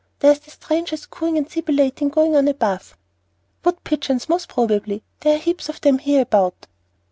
There's the strangest cooing and sibilating going on above." "Wood pigeons, most probably; there are heaps of them hereabout."